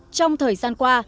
trong thời gian qua